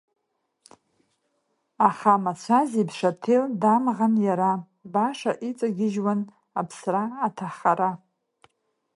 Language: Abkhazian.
Аха, амацәаз еиԥш, аҭел дамӷан иара, баша иҵагьежьуан аԥсра, аҭахара.